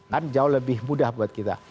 kan jauh lebih mudah buat kita